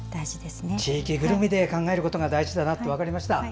地域ぐるみで考えることが大事だなと分かりました。